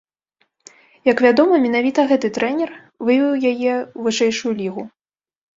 Як вядома, менавіта гэты трэнер вывеў яе ў вышэйшую лігу.